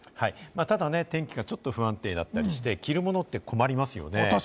ただね、天気がちょっと不安定だったりして、着るものって困りますよね。